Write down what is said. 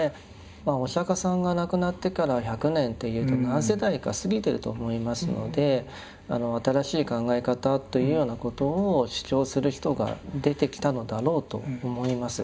まあお釈迦さんが亡くなってから１００年といえど何世代か過ぎていると思いますので新しい考え方というようなことを主張する人が出てきたのだろうと思います。